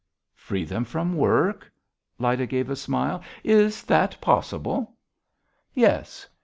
"Free them from work?" Lyda gave a smile. "Is that possible?" "Yes....